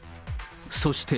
そして。